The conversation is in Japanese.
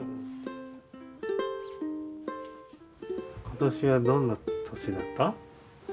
今年はどんな年だった？